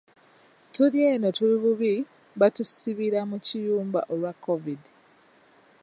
Tuli eno tuli bubi baatusibira mu kiyumba olwa COVID